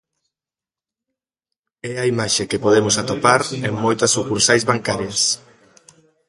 É a imaxe que podemos atopar en moitas sucursais bancarias.